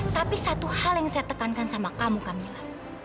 tapi satu hal yang saya tekankan sama kamu kamila